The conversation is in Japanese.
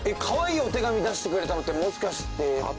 かわいいお手紙出してくれたのってもしかして。